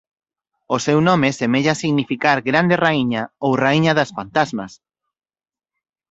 O seu nome semella significar "Grande Raíña" ou "Raíña das Pantasmas".